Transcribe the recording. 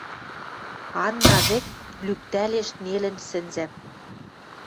Анна вӹк лӱктӓлеш нелӹн сӹнзӓм